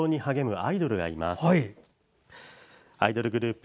アイドルグループ